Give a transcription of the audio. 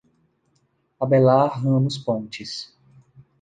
Abelar Ramos Pontes